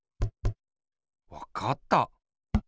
わかった！